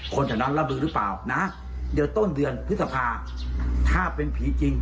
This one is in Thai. จากนั้นรับมือหรือเปล่านะเดี๋ยวต้นเดือนพฤษภาถ้าเป็นผีจริง